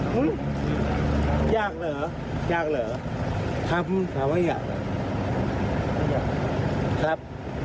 พูดได้ครับ